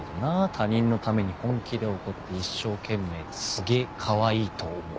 他人のために本気で怒って一生懸命ですげぇかわいいと思う。